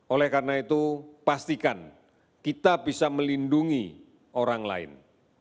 oleh karena itu pastikan kita bisa melindungi orang lain